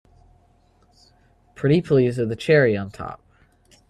Pretty please with a cherry on top!